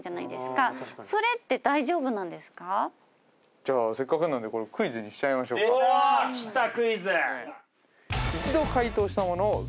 じゃあせっかくなんでこれクイズにしちゃいましょうかきたクイズ！